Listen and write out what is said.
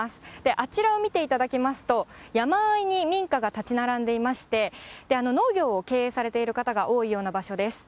あちらを見ていただきますと、山あいに民家が建ち並んでいまして、農業を経営されている方が多いような場所です。